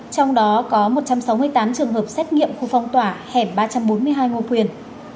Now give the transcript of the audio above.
trong đó có một trăm sáu mươi tám trường hợp xét nghiệm khu phong tỏa hẻm ba trăm bốn mươi hai ngô quyền